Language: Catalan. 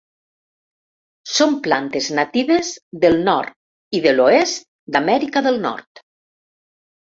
Són plantes natives del nord i de l'oest d'Amèrica del Nord.